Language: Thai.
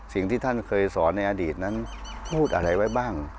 สิ่งที่ท่านเคยสอนในอดีตนั้นพูดอะไรไว้บ้าง